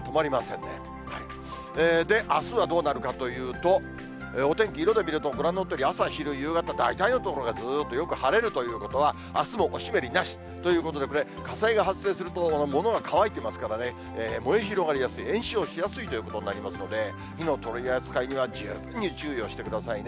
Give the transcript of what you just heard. で、あすはどうなるかというと、お天気、色で見るとご覧のとおり、朝、昼、夕方、大体の所がずーっとよく晴れるということは、あすもおしめりなし、ということで、これ、火災が発生すると、物が乾いてますからね、燃え広がりやすい、延焼しやすいということになりますので、火の取り扱いには十分注意をしてくださいね。